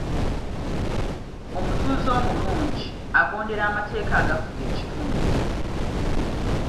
Omutuuze omulungi agondera amateeka agafuga ekitundu.